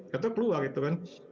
kata keluar gitu kan